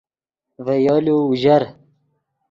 ڤے یولو اوژر